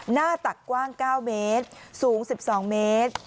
ตักกว้าง๙เมตรสูง๑๒เมตร